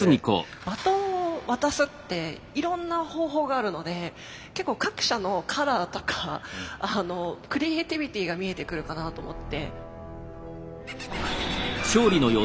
バトンを渡すっていろんな方法があるので結構各社のカラーとかクリエーティビティーが見えてくるかなと思って。